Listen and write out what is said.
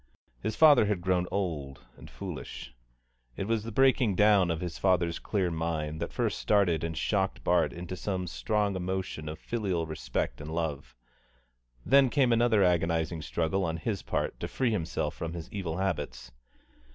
His father had grown old and foolish. It was the breaking down of his father's clear mind that first started and shocked Bart into some strong emotion of filial respect and love; then came another agonising struggle on his part to free himself from his evil habits.